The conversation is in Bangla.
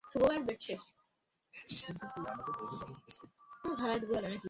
কিন্তু তুই আমাদের অভিবাবক হচ্ছিস তো?